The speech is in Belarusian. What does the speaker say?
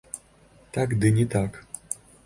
Так, ды не так.